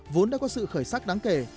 vốn đã có sự khởi sắc đáng kể